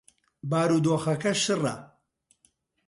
بارودۆخەکە شڕە.